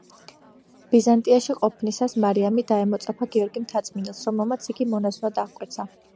ბიზანტიაში ყოფნისას მარიამი დაემოწაფა გიორგი მთაწმიდელს, რომელმაც იგი მონაზვნად აღკვეცა.